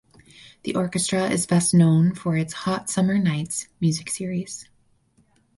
The orchestra is best known for its "Hot Summer Nights" music series.